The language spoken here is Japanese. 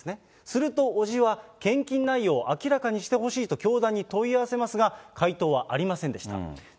すると伯父は、献金内容を明らかにしてほしいと教団に問い合わせますが、回答はありませんでした。